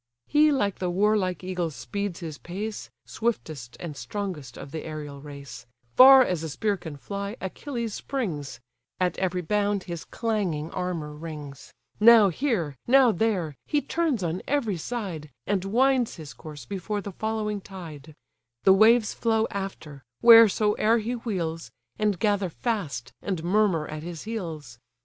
He like the warlike eagle speeds his pace (Swiftest and strongest of the aerial race); Far as a spear can fly, Achilles springs; At every bound his clanging armour rings: Now here, now there, he turns on every side, And winds his course before the following tide; The waves flow after, wheresoe'er he wheels, And gather fast, and murmur at his heels.